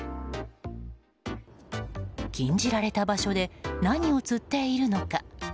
禁じられた場所で何を釣っているのか。